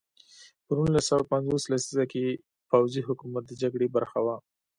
په نولس سوه پنځوس لسیزه کې پوځي حکومت د جګړې برخه وه.